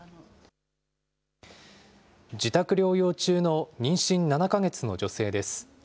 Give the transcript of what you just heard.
自宅療養中の妊娠７か月の女性です。